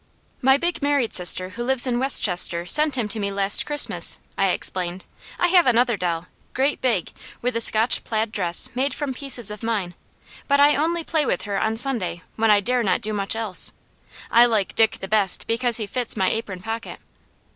"My big married sister who lives in Westchester sent him to me last Christmas," I explained. "I have another doll, great big, with a Scotch plaid dress made from pieces of mine, but I only play with her on Sunday when I dare not do much else. I like Dick the best because he fits my apron pocket.